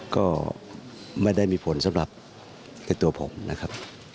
ก็ไม่ได้มีผลสำหรับในตัวผมนะครับ